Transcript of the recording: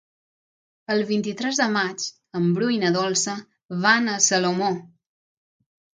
El vint-i-tres de maig en Bru i na Dolça van a Salomó.